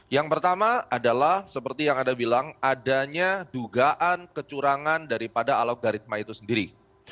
yang pertama adalah seperti yang anda bilang adanya dugaan kecurangan daripada alogaritma itu sendiri